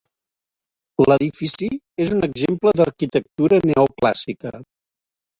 L'edifici és un exemple d'arquitectura neoclàssica.